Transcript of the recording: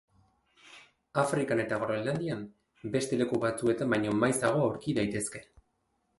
Afrikan eta Groenlandian beste leku batzuetan baino maizago aurki daitezke.